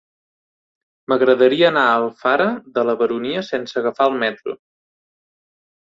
M'agradaria anar a Alfara de la Baronia sense agafar el metro.